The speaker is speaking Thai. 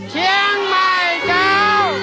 เชียงใหม่เจ้า